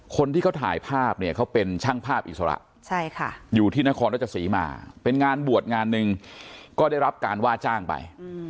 คนที่เขาถ่ายภาพเนี่ยเขาเป็นช่างภาพอิสระอยู่ที่นครรัชศรีมาเป็นงานบวชงานหนึ่งก็ได้รับการว่าจ้างไป